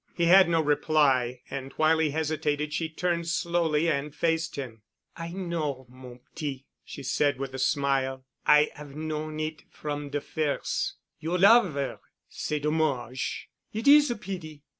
He had no reply and while he hesitated she turned slowly and faced him. "I know, mon petit," she said with a smile. "I 'ave known it from de firs'. You love 'er. C'est dommage. It is a pity.